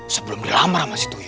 sebelum dilamar sama si tuyo